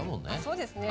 そうですね。